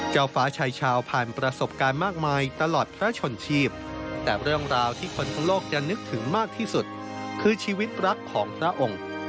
ฟ้าชายชาวผ่านประสบการณ์มากมายตลอดพระชนชีพแต่เรื่องราวที่คนทั้งโลกจะนึกถึงมากที่สุดคือชีวิตรักของพระองค์